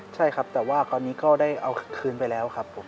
ใช่ครับแต่ว่าตอนนี้ก็ได้เอาคืนไปแล้วครับผม